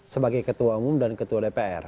sebagai ketua umum dan ketua dpr